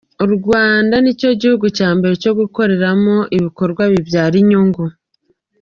U Rwanda ni cyo gihugu cya mbere cyo gukoreramo ibikorwa bibyara inyungu.